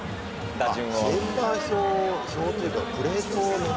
あっメンバー表を表というかプレートを。